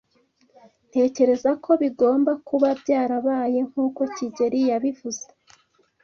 Ntekereza ko bigomba kuba byarabaye nkuko kigeli yabivuze.